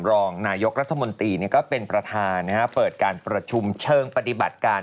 รองนายกรัฐมนตรีก็เป็นประธานเปิดการประชุมเชิงปฏิบัติการ